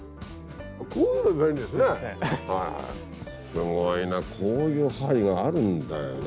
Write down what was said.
すごいなこういう針があるんだよな。